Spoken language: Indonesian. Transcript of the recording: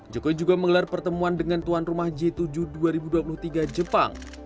jokowi juga menggelar pertemuan dengan tuan rumah j tujuh dua ribu dua puluh tiga jepang